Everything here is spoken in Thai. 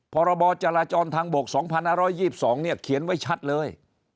พรบจราจรทางบก๒๕๒๒เนี่ยเขียนไว้ชัดเลย